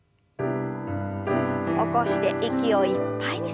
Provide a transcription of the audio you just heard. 起こして息をいっぱいに吸いましょう。